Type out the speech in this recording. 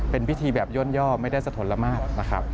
เป็นพิธีแบบย่อไม่ได้สะทนละมาฆ